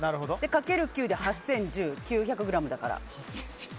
かける９で８０１０９００ｇだから。